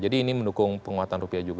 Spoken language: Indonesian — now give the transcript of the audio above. jadi ini mendukung penguatan rupiah juga